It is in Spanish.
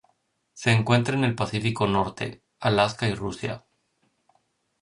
Se encuentra en el Pacífico norte: Alaska y Rusia.